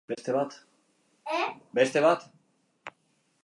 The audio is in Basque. Zein da zure kolorerik gustokoena?